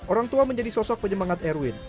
orang tua menjadi sosok penyemangat erwin